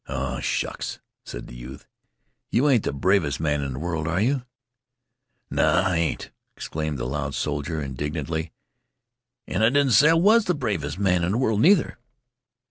"Oh, shucks!" said the youth. "You ain't the bravest man in the world, are you?" "No, I ain't," exclaimed the loud soldier indignantly; "and I didn't say I was the bravest man in the world, neither.